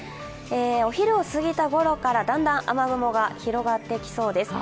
お昼を過ぎたごろからだんだん雨雲が広がってきそうです。